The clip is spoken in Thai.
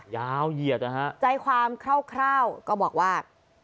ยาวเหยียดอ่ะฮะใจความคร่าวคร่าวก็บอกว่า